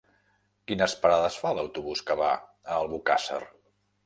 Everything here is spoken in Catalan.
Quines parades fa l'autobús que va a Albocàsser?